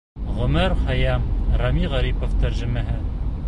Ғүмәр Хәйәм, Рәми Ғарипов тәржемәһе